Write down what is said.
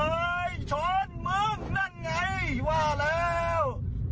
เฮ้ยช้อนมึงนั่งไงว่าแล้ว